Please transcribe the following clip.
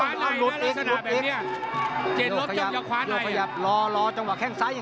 มันรอไม่ได้โถหหลับซ้ายเต็มเลย